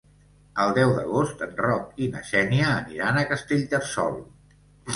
El deu d'agost en Roc i na Xènia aniran a Castellterçol.